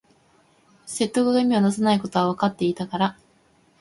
説得が意味をなさないことはわかっていたから